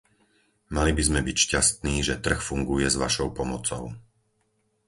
Mali by sme byť šťastní, že trh funguje, s vašou pomocou.